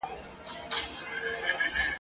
چي تمام دېوان یې له باریکیو ډک دی !.